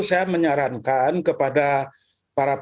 saya menyarankan kepada